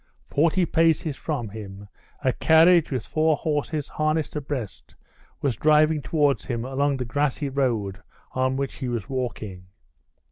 Forty paces from him a carriage with four horses harnessed abreast was driving towards him along the grassy road on which he was walking.